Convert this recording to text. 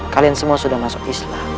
kalian semua sudah masuk islam